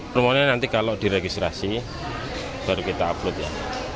permohonan nanti kalau diregistrasi baru kita upload ya